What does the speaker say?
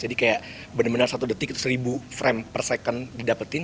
jadi kayak benar benar satu detik itu seribu frame per second didapetin